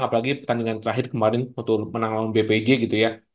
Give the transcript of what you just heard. apalagi pertandingan terakhir kemarin untuk menang lawan bpj gitu ya